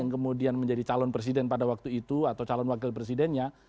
yang kemudian menjadi calon presiden pada waktu itu atau calon wakil presidennya